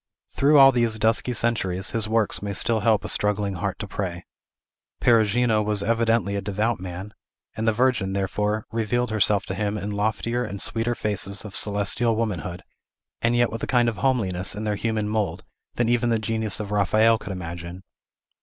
Through all these dusky centuries, his works may still help a struggling heart to pray. Perugino was evidently a devout man; and the Virgin, therefore, revealed herself to him in loftier and sweeter faces of celestial womanhood, and yet with a kind of homeliness in their human mould, than even the genius of Raphael could imagine.